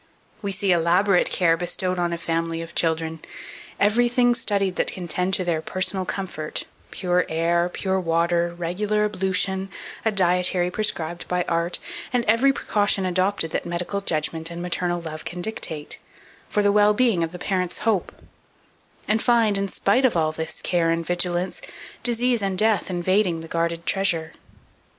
2448. We see elaborate care bestowed on a family of children, everything studied that can tend to their personal comfort, pure air, pure water, regular ablution, a dietary prescribed by art, and every precaution adopted that medical judgment and maternal love can dictate, for the well being of the parents' hope; and find, in despite of all this care and vigilance, disease and death invading the guarded treasure.